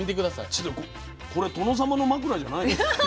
ちょっとこれ殿様の枕じゃないの？